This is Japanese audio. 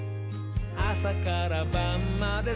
あさからばんまで」